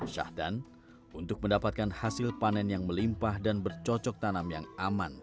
syahdan untuk mendapatkan hasil panen yang melimpah dan bercocok tanam yang aman